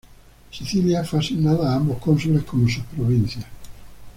Sicilia fue asignada a ambos cónsules como sus provincias.